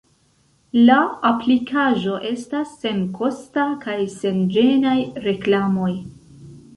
La aplikaĵo estas senkosta kaj sen ĝenaj reklamoj.